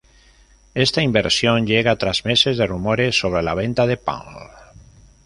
Esta inversión llega tras meses de rumores sobre la venta de Palm.